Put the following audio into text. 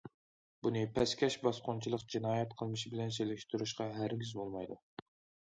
بۇنى پەسكەش باسقۇنچىلىق جىنايەت قىلمىشى بىلەن سېلىشتۇرۇشقا ھەرگىز بولمايدۇ.